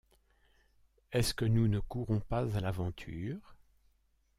Est-ce que nous ne courons pas à l’aventure ?